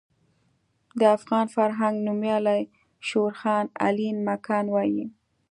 د افغان فرهنګ نومیالی شعور خان علين مکان وايي.